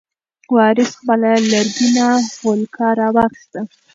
وارث خپله لرګینه غولکه راواخیسته.